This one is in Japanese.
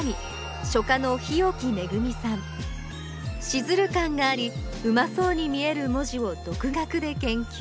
シズル感がありうまそうに見える文字を独学で研究。